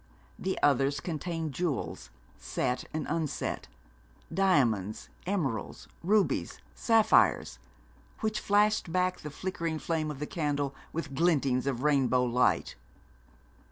The others contained jewels, set and unset diamonds, emeralds, rubies, sapphires which flashed back the flickering flame of the candle with glintings of rainbow light.